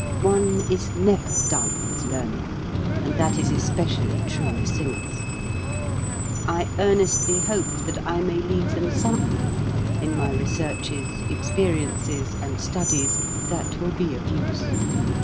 One is never done with learning; and that is especially true of singers. I earnestly hope that I may leave them something, in my researches, ex periences, and studies, that will be of use.